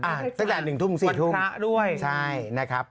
พระจันทร์๑ทุ่ม๔ทุ่มพระพระด้วยใช่นะครับ